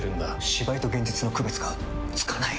芝居と現実の区別がつかない！